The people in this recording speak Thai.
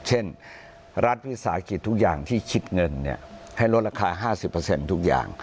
เช่นรัฐวิสาหกิจทุกอย่างที่คิดเงินให้ลดราคา๕๐ทุกอย่าง